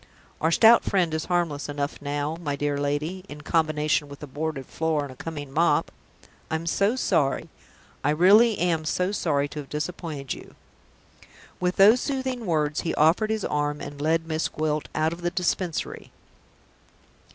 Our Stout Friend is harmless enough now, my dear lady in combination with a boarded floor and a coming mop! I'm so sorry; I really am so sorry to have disappointed you." With those soothing words, he offered his arm, and led Miss Gwilt out of the Dispensary.